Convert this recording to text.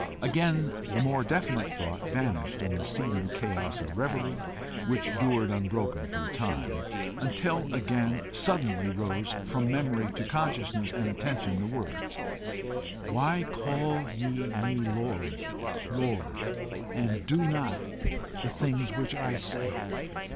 Again the more definite thought vanished in the seething chaos of reverie, which dured unbroken for a time, until again suddenly rose from memory to consciousness and attention the words: "Why call ye me Lord, Lord, and do not the things which I say?"